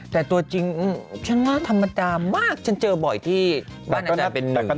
แต่ตัวจริงฉันว่าธรรมดามากฉันเจอบ่อยที่บ้านอาจารย์เป็นหนึ่ง